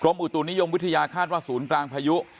อุตุนิยมวิทยาคาดว่าศูนย์กลางพายุ